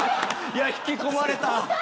いや、引き込まれた。